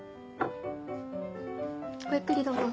ごゆっくりどうぞ。